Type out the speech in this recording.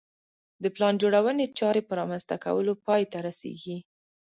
د پلان جوړونې چارې په رامنځته کولو پای ته رسېږي.